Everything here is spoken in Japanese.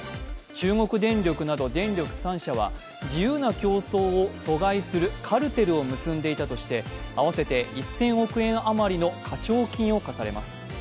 中国電力など電力３社は自由な競争を阻害するカルテルを結んでいたとして合わせて１０００億円余りの課徴金を課されます。